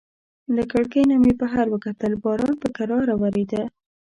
له کړکۍ نه مې بهر وکتل، باران په کراره وریده.